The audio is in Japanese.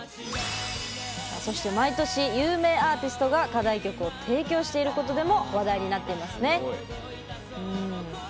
そして毎年、有名アーティストが課題曲を提供していることでも話題になっていますね。